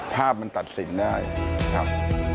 ภาพมันตัดสินได้ครับ